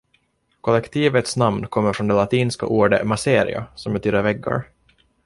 Kollektivets namn kommer från det latinska ordet: ”maceria” som betyder väggar.